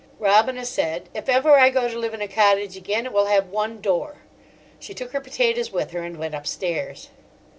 Robina said: "If ever I go to live in a cottage again it will have one door." She took her potatoes with her and went upstairs.